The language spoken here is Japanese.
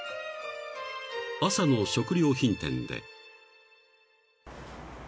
［朝の食料品店で］